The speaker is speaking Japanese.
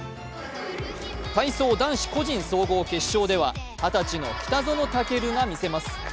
体操男子個人総合決勝では二十歳の北園丈琉がみせます。